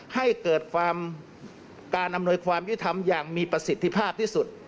ให้เกิดความการอำนวยความยุทธรรมอย่างมีประสิทธิภาพที่สุด